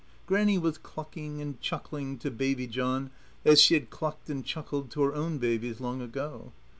Grannie was clucking and chuckling to Baby John as she had clucked and chuckled to her own babies long ago.